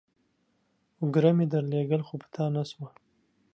اوگره مې درلېږل ، خو پاته نسوه.